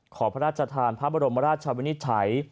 ขอพระราชทานพระบรมราชวินิจฉัย